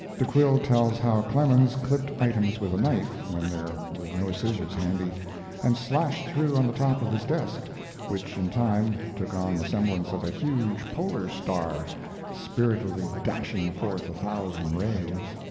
De Quille tells how Clemens clipped items with a knife when there were no scissors handy, and slashed through on the top of his desk, which in time took on the semblance "of a huge polar star, spiritedly dashing forth a thousand rays."